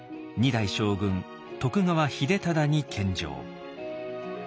二代将軍徳川秀忠に献上。